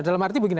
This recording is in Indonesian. dalam arti begini